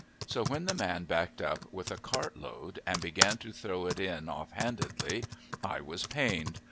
So when the man backed up with a cartload and began to throw it in off handedly, I was pained.